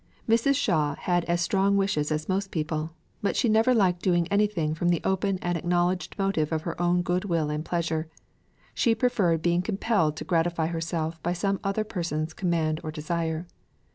Mrs. Shaw had as strong wishes as most people, but she never liked to do anything from the open and acknowledged motive of her own good will and pleasure; she preferred being compelled to gratify herself by some other person's command or desire.